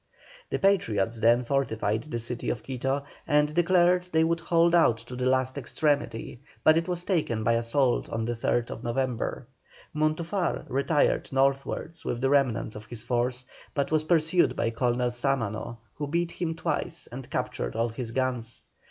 The Patriots then fortified the city of Quito, and declared they would hold out to the last extremity, but it was taken by assault on the 3rd November. Montufar retired northwards with the remnant of his force, but was pursued by Colonel Sámano, who beat him twice and captured all his guns.